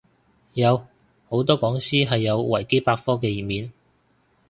有，好多講師係有維基百科嘅頁面